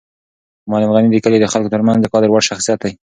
معلم غني د کلي د خلکو تر منځ د قدر وړ شخصیت دی.